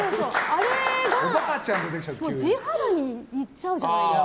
地肌にいっちゃうじゃないですか。